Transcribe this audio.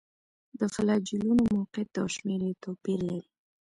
د فلاجیلونو موقعیت او شمېر یې توپیر لري.